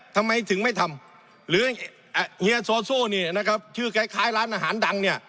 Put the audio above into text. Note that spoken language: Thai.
ทำไมถึงไม่ทำหรือไอ้เฮียซอโซเนี่ยนะครับ